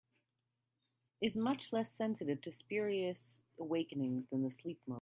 Is much less sensitive to spurious awakenings than the sleep mode.